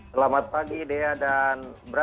selamat pagi dea dan bra